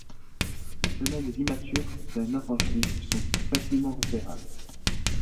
Les femelles immatures, d'un orange vif, sont facilement repérables.